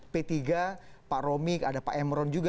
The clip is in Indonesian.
p tiga pak romik ada pak emron juga